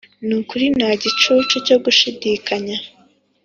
nukuri nta gicucu cyo gushidikanya